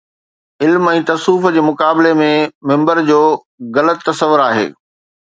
علم ۽ تصوف جي مقابلي ۾ منبر جو غلط تصور آهي